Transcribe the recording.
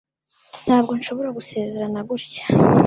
Ntabwo nshobora gusezerana gutya